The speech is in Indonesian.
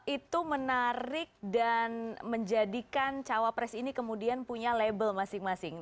itu menarik dan menjadikan cawapres ini kemudian punya label masing masing